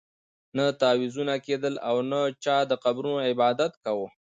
نه تعویذونه کېدل او نه چا د قبرونو عبادت کاوه.